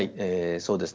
そうですね。